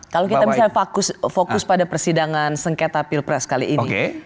kalau kita misalnya fokus pada persidangan sengketa pilpres kali ini